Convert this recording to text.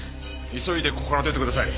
急いでここから出てください。